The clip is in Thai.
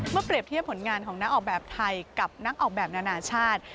เปรียบเทียบผลงานของนักออกแบบไทยกับนักออกแบบนานาชาติ